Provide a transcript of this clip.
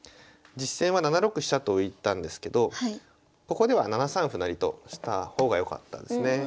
実戦は７六飛車と浮いたんですけどここでは７三歩成とした方がよかったんですね。